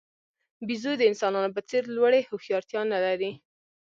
بیزو د انسانانو په څېر لوړې هوښیارتیا نه لري.